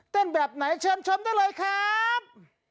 แบบไหนเชิญชมได้เลยครับ